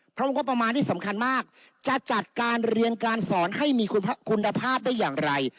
เพราะงบประมาณที่สำคัญมากจะจัดการเรียนการสอนให้มีคุณภาพได้อย่างไร